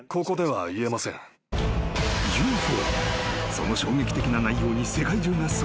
［その衝撃的な内容に世界中が騒然］